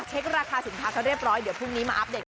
เช็คราคาสินค้าเขาเรียบร้อยเดี๋ยวพรุ่งนี้มาอัปเดตกัน